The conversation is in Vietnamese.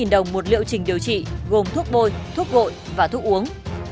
tám trăm tám mươi đồng một liệu trình điều trị gồm thuốc bôi thuốc gội và thuốc uống